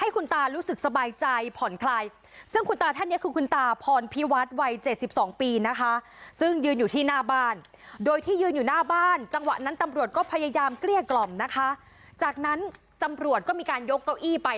กล้ามเกลี้ยกล่อมนะคะจากนั้นตำรวจก็มีการยกเก้าอี้ไป